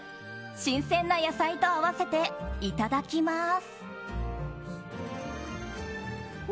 新鮮な野菜と合わせていただきます。